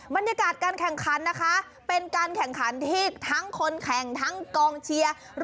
บรรยากาศการแข่งขันนะคะเป็นการแข่งขันที่ทั้งคนแข่งทั้งกองเชียร์